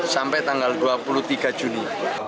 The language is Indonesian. sampai tanggal dua puluh tiga juni